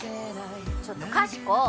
ちょっとかしこ！